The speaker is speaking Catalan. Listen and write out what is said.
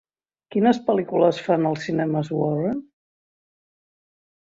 Quines pel·lícules fan als cinemes Warren?